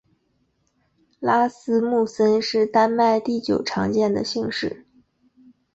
拉斯穆森是丹麦第九常见的姓氏。